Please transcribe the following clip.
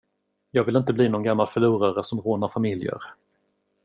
Jag vill inte bli någon gammal förlorare som rånar familjer.